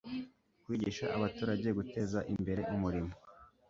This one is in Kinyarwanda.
kwigisha abaturage guteza imbere umurimo